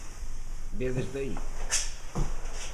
¿Ve desde aí?